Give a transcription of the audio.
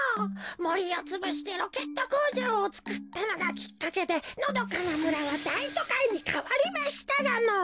もりをつぶしてロケットこうじょうをつくったのがきっかけでのどかなむらはだいとかいにかわりましたがのぉ。